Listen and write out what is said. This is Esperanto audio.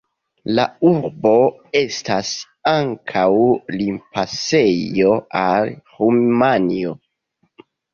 La urbo estas ankaŭ limpasejo al Rumanio.